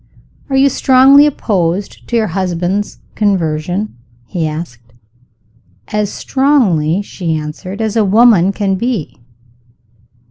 "Are you strongly opposed to your husband's conversion?" he asked. "As strongly," she answered, "as a woman can be."